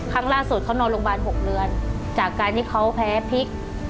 ครั้งล่าสุดเขานอนโรงพยาบาล๖เดือนจากการที่เขาแพ้พริก